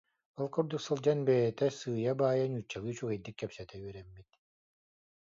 Ол курдук сылдьан бэйэтэ сыыйа-баайа нууччалыы үчүгэйдик кэпсэтэ үөрэммит